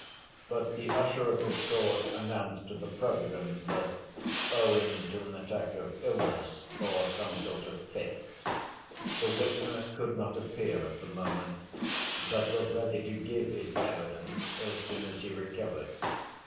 But the usher of the court announced to the President that, owing to an attack of illness or some sort of fit, the witness could not appear at the moment, but was ready to give his evidence as soon as he recovered.